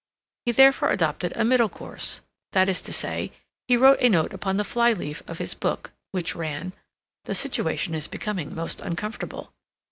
He therefore adopted a middle course; that is to say, he wrote a note upon the fly leaf of his book, which ran, "The situation is becoming most uncomfortable."